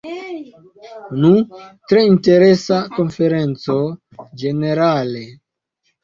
Nu, tre interesa konferenco ĝenerale.